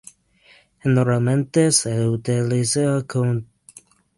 Generalmente se utiliza como saborizante y decoración en repostería.